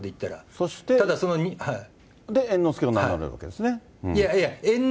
そして猿之助を名乗るわけですね。